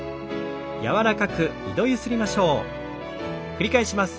繰り返します。